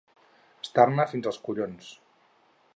Estar-ne fins als collons.